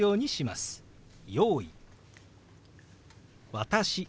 「私」。